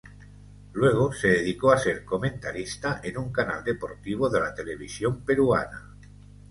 Luego se dedicó a ser comentarista en un canal deportivo de la televisión peruana.